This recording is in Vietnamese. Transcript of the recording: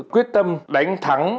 quyết tâm đánh thắng